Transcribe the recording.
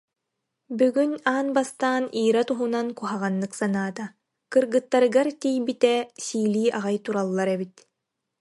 бүгүн аан бастаан Ира туһунан куһаҕаннык санаата, кыргыттарыгар тиийбитэ сиилии аҕай тураллар эбит: